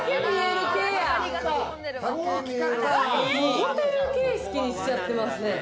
ホテル形式にしちゃってますね。